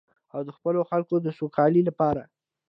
او د خپلو خلکو د سوکالۍ لپاره.